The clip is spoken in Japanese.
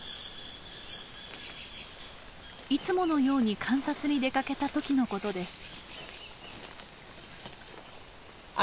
いつものように観察に出かけたときのことです。